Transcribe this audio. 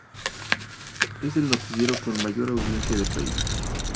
Es el noticiero con mayor audiencia del país.